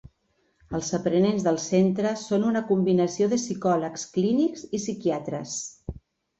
Els aprenents del centre són una combinació de psicòlegs clínics i psiquiatres.